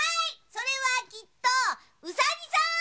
それはきっとうさぎさん！